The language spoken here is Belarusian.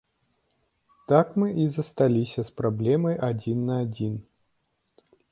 Так мы і засталіся з праблемай адзін на адзін.